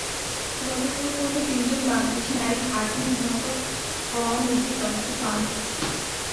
গতকাল পর্যন্ত তিনজন বাংলাদেশি নারী হাজি নিহত হওয়ার নিশ্চিত তথ্য পাওয়া গেছে।